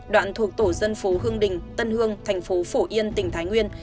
đoạn thuộc tổ dân phố hương đình tân hương thành phố phổ yên tỉnh thái nguyên